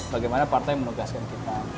bagaimana partai menugaskan kita